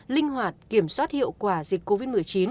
linh hoạt kiểm soát hiệu quả dịch covid một mươi chín